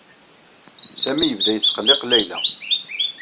Sami yebda yesqelliq Layla.